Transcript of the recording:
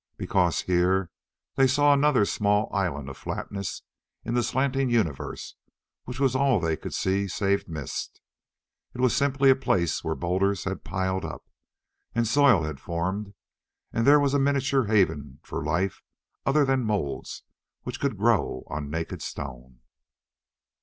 Because here they saw another small island of flatness in the slanting universe which was all they could see save mist. It was simply a place where boulders had piled up, and soil had formed, and there was a miniature haven for life other than moulds which could grow on naked stone.